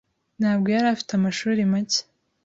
ntabwo yari afite amashuri make.